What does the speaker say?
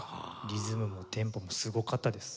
リズムもテンポもすごかったです。